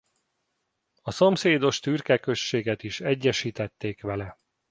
A szomszédos Türke községet is egyesítették vele.